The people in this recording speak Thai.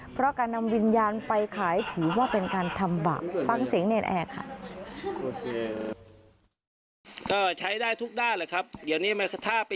เพราะการนำวิญญาณไปขายถือว่าเป็นการทำบาป